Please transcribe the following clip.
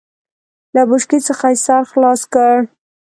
له بوشکې څخه يې سر خلاص کړ.